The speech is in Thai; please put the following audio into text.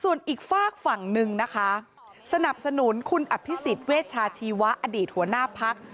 ส่วนอีกฝากฝั่งหนึ่งนะคะสนับสนุนคุณอภิษฎเวชาชีวะอดีตหัวหน้าพัก